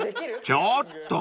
［ちょっと！］